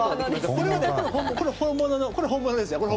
これは本物のこれは本物です。